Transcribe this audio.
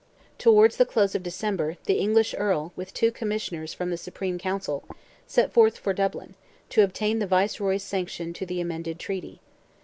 Towards the close of December, the English Earl, with two Commissioners from the Supreme Council, set forth for Dublin, to obtain the Viceroy's sanction to the amended treaty.